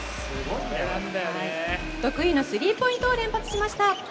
得意のスリーポイントを連発しました。